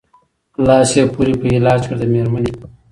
لاس یې پوري په علاج کړ د مېرمني